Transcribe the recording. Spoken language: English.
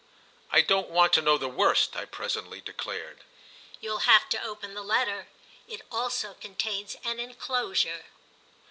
"I don't want to know the worst," I presently declared. "You'll have to open the letter. It also contains an enclosure."